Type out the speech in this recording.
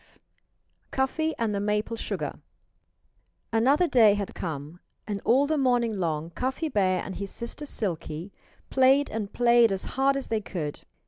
V CUFFY AND THE MAPLE SUGAR Another day had come and all the morning long Cuffy Bear and his sister Silkie played and played as hard as they could.